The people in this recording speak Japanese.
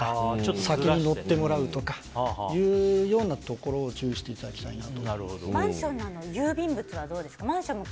先に乗ってもらうとかというようなところを注意していただきたいなと。